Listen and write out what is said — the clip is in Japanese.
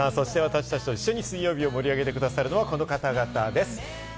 そして私たちと水曜日を盛り上げてくださるのは、この方々です。